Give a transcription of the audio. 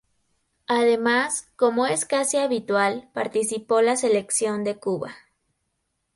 Además, como es casi habitual participó la Selección de Cuba.